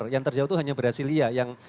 yang terjauh itu hanya brasilia yang